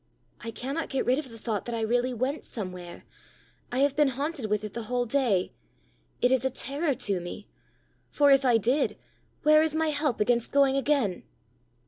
I cannot get rid of the thought that I really went somewhere. I have been haunted with it the whole day. It is a terror to me for if I did, where is my help against going again!"